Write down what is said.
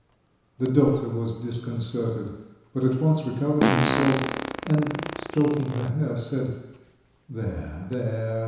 The doctor was disconcerted, but at once recovered himself, and, stroking her hair, said: "There, there.